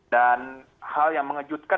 dan hal yang mengejutkan